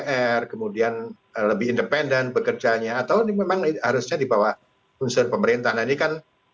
pr kemudian lebih independen bekerjanya atau memang harusnya dibawa unsur pemerintahan ini kan